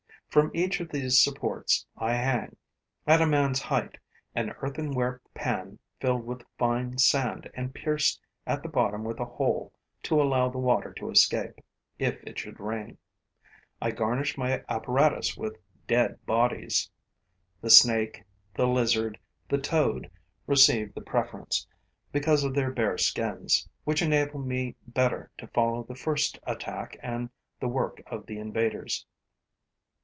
From each of these supports, I hang, at a man's height, an earthenware pan filled with fine sand and pierced at the bottom with a hole to allow the water to escape, if it should rain. I garnish my apparatus with dead bodies. The snake, the lizard, the toad receive the preference, because of their bare skins, which enable me better to follow the first attack and the work of the invaders.